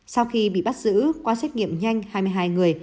sau khi bị bắt giữ qua xét nghiệm nhanh hai mươi hai người